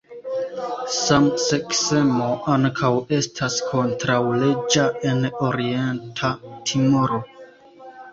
Samseksemo ankaŭ estas kontraŭleĝa en Orienta Timoro.